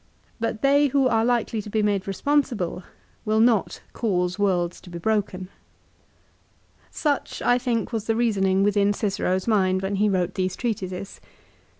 But they who are likely to be made responsible will not cause worlds to be broken. Such, I think, was the reasoning within Cicero's mind when he wrote these treatises.